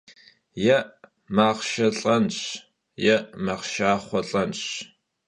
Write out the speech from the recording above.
Yê maxhşşe lh'enş, yê maxhşşaxhue lh'enş.